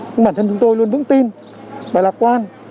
nhưng bản thân chúng tôi luôn vững tin và lạc quan